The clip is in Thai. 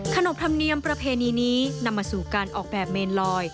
ขนบธรรมเนียมประเพณีนี้นำมาสู่การออกแบบเมนลอย